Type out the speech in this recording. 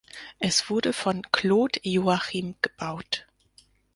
Es wurde von Claude Joachim gebaut.